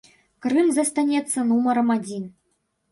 Крым застанецца нумарам адзін.